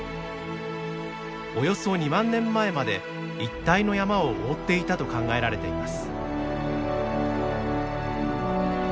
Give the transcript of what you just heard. およそ２万年前まで一帯の山を覆っていたと考えられています。